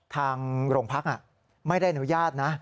ทางโรงพักไม่ได้อนุญาตนะ